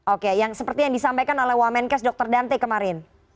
oke yang seperti yang disampaikan oleh wamenkes dr dante kemarin